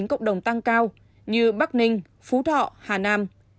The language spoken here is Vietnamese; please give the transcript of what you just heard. cộng đồng tăng cao như bắc ninh phú thọ hà nam